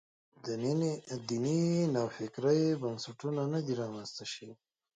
دیني نوفکرۍ بنسټونه نه دي رامنځته شوي.